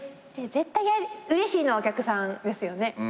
絶対うれしいのはお客さんですよね。